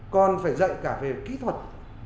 còn phải dạy cả về kỹ thuật